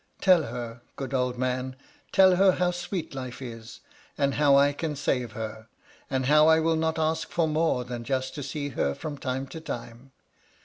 Tell her, good old man, tell her how sweet life is ; and how I can save her ; and how I will notr ask for more than just to see her from time to time.